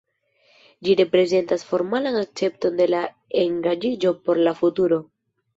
Ĝi reprezentas formalan akcepton de la engaĝiĝo por la futuro.